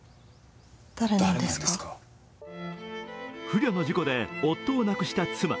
不慮の事故で夫を亡くした妻。